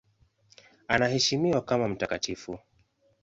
Anaheshimiwa kama mtakatifu.